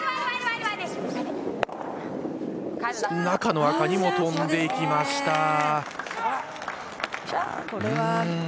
中の赤にも飛んでいきました。